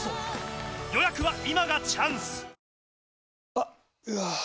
あっ、うわー。